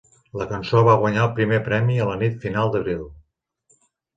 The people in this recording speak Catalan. La cançó va guanyar el primer premi a la nit final d'abril.